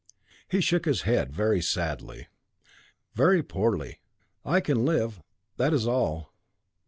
He shook his head sadly. 'Very poorly. I can live that is all.